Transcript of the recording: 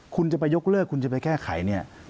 คุณจะไปยกเลิกคุณจะไปแก้ไขเนี่ย